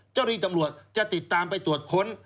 เจ้าหน้าที่ตำรวจจะติดตามไปตรวจค้น